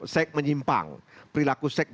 seks menyimpang perilaku seks